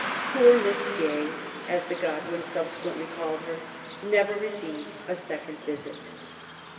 ^' Poor Miss Gay," as the Godwins subsequently caUed her, never received a second visit.